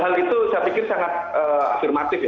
hal itu saya pikir sangat afirmatif ya